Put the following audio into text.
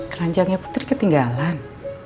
kan jangnya putri ketinggalan